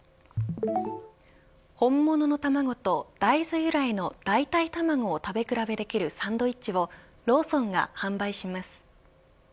本物の卵と大豆由来の代替卵を食べ比べできるサンドイッチをローソンが販売します。